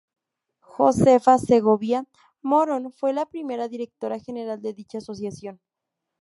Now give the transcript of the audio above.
Josefa Segovia Morón fue la primera directora general de dicha asociación.